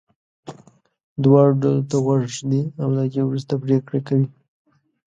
دواړو ډلو ته غوږ ږدي او له هغې وروسته پرېکړه کوي.